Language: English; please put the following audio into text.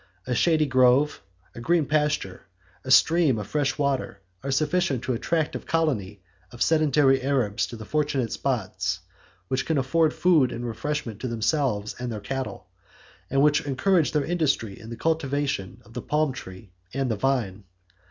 A shady grove, a green pasture, a stream of fresh water, are sufficient to attract a colony of sedentary Arabs to the fortunate spots which can afford food and refreshment to themselves and their cattle, and which encourage their industry in the cultivation of the palmtree and the vine.